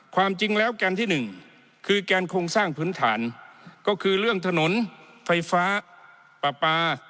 ความจริงแล้วแกนที่หนึ่งคือแกนโครงสร้างพื้นฐาน